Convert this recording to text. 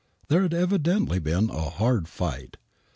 There had evidently been a hard fight.